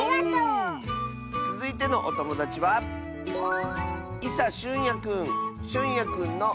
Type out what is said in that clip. つづいてのおともだちはしゅんやくんの。